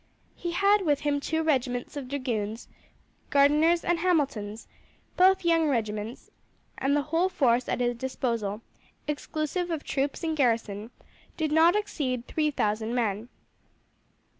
He had with him two regiments of dragoons, Gardiner's and Hamilton's, both young regiments, and the whole force at his disposal, exclusive of troops in garrison, did not exceed three thousand men.